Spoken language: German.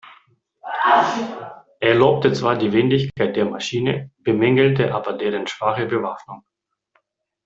Er lobte zwar die Wendigkeit der Maschine, bemängelte aber deren schwache Bewaffnung.